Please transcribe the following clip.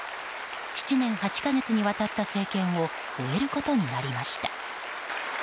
７年８か月にわたった政権を終えることになりました。